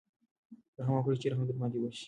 رحم وکړئ چې رحم در باندې وشي.